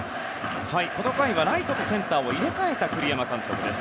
この回は、ライトとセンターを入れ替えた栗山監督です。